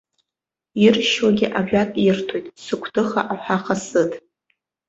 Иршьуагьы ажәак ирҭоит, сыгәҭыха аҳәаха сыҭ.